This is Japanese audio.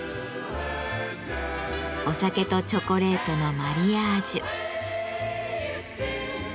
お酒とチョコレートのマリアージュ。